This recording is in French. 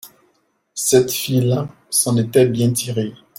Cette fille-là s’en était bien tirée.